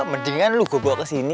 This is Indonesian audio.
mendingan lu gua bawa kesini